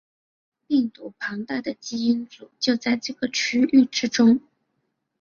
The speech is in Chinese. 病毒庞大的基因组就在这个区域之中。